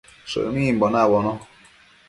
Shënimbo nabono